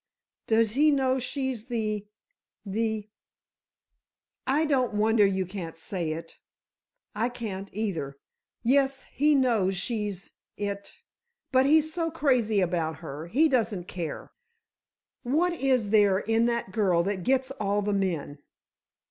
"Does he know she's the—the——" "I don't wonder you can't say it! I can't, either. Yes, he knows she's—it—but he's so crazy about her, he doesn't care. What is there in that girl that gets all the men!"